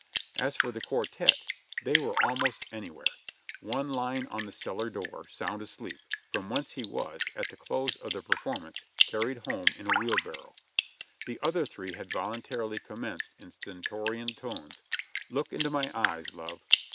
As for the quartette, they were almost anywhere; one lying on the cellar door, sound asleep, from whence he was, at the close of the per formance, carried home in a wheelbarrow. The other three had voluntarilv commenced in stentorian tones, "Look into my eyes, love."